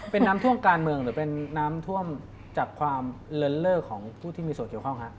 เป็นน้ำท่วมการเมืองหรือเป็นน้ำท่วมจากความเลินเล่อของผู้ที่มีส่วนเกี่ยวข้องครับ